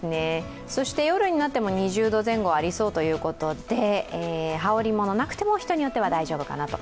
そして、夜になっても２０度前後ありそうということで羽織物なくても、人によっては大丈夫かなと。